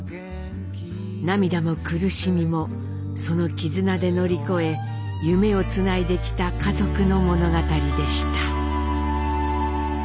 涙も苦しみもその絆で乗り越え夢をつないできた家族の物語でした。